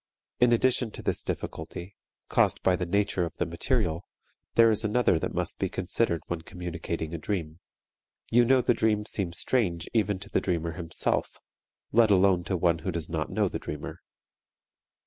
In addition to this difficulty, caused by the nature of the material, there is another that must be considered when communicating a dream. You know the dream seems strange even to the dreamer himself, let alone to one who does not know the dreamer.